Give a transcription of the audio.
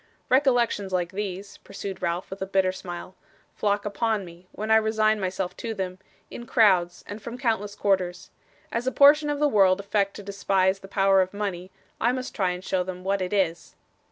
'Recollections like these,' pursued Ralph, with a bitter smile, 'flock upon me when I resign myself to them in crowds, and from countless quarters. As a portion of the world affect to despise the power of money, I must try and show them what it is.